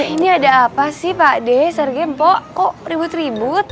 ini ada apa sih pak de sergei mpo kok ribut ribut